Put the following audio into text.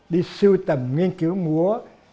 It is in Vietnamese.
đi sưu tầm nghiên cứu múa